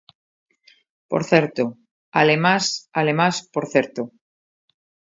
Por certo, alemás; alemás, por certo.